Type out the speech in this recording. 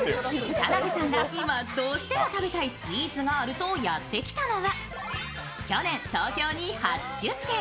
田辺さんが今どうしても食べたいスイーツがあるとやってきたのは去年、東京に初出店。